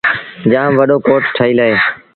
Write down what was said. جآم وڏو ڪوٽ ٺهيٚل اهي۔